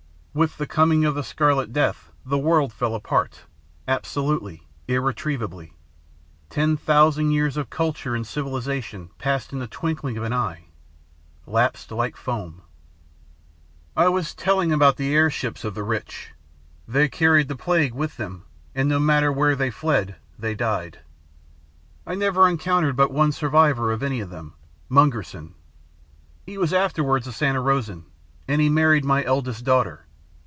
With the coming of the Scarlet Death the world fell apart, absolutely, irretrievably. Ten thousand years of culture and civilization passed in the twinkling of an eye, 'lapsed like foam.' "I was telling about the airships of the rich. They carried the plague with them and no matter where they fled, they died. I never encountered but one survivor of any of them Mungerson. He was afterwards a Santa Rosan, and he married my eldest daughter.